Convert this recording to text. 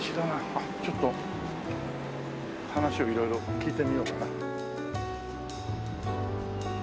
ちょっと話を色々聞いてみようかな。